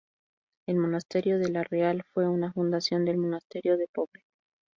El monasterio de la Real fue una fundación del monasterio de Poblet.